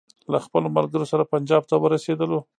له خپلو ملګرو سره پنجاب ته ورسېدلو.